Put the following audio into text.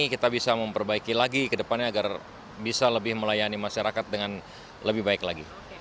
kita bisa memperbaiki lagi ke depannya agar bisa lebih melayani masyarakat dengan lebih baik lagi